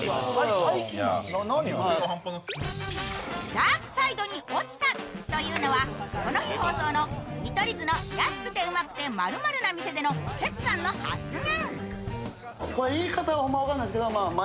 ダークサイドに落ちたというのはこの日放送の見取り図の「安くてウマくて○○な店」でのケツさんの発言。